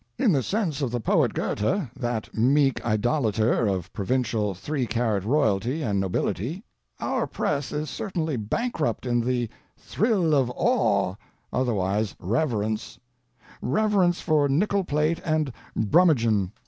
In the sense of the poet Goethe—that meek idolater of provincial three carat royalty and nobility—our press is certainly bankrupt in the "thrill of awe"—otherwise reverence; reverence for nickel plate and brummagem.